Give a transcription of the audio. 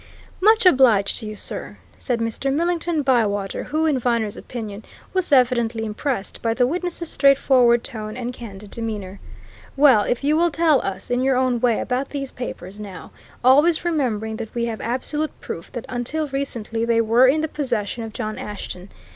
"Much obliged to you, sir," said Mr. Millington Bywater, who, in Viner's opinion, was evidently impressed by the witness's straightforward tone and candid demeanour. "Well, if you will tell us in your own way about these papers, now always remembering that we have absolute proof that until recently they were in the possession of John Ashton?